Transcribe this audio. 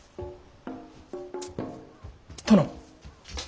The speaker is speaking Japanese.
・殿。